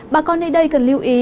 bà con nơi đây cần lưu ý